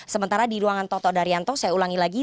sementara di ruangan toto daryanto saya ulangi lagi